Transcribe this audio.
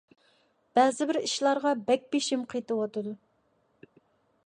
بەزىبىر ئىشلارغا بەك بېشىم قېتىۋاتىدۇ.